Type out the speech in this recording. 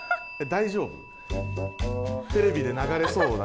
大丈夫？